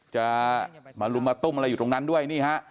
จะมาลุมมาตุ้มอะไรอยู่ตรงนั้นด้วยนี่ฮะ